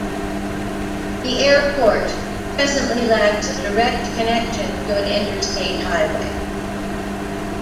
The airport presently lacks a direct connection to an Interstate Highway.